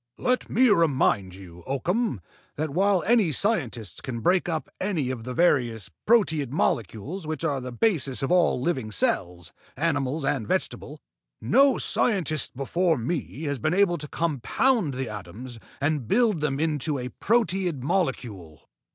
"Let me remind you, Oakham, that while any scientist can break up any of the various proteid molecules which are the basis of all living cells, animal and vegetable, no scientist before me has been able to compound the atoms and build them into a proteid molecule."